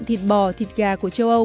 thịt bò thịt gà của châu âu